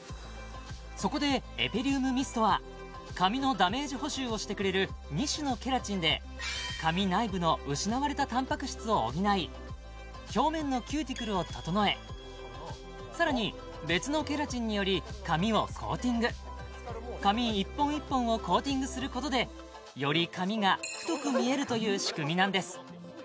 そこでエペリュームミストは髪のダメージ補修をしてくれる２種のケラチンで髪内部の失われたたんぱく質を補い表面のキューティクルを整えさらに別のケラチンにより髪をコーティング髪１本１本をコーティングすることでより髪が太く見えるという仕組みなんです